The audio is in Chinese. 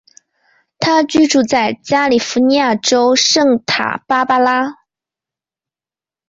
他居住在加利福尼亚州圣塔芭芭拉。